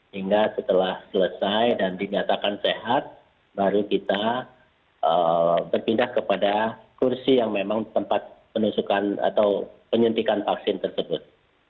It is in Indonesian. hingga setelah selesai dan dinyatakan sehat baru kita berpindah kepada kursi yang memang tempat penyuntikan vaksin tersebut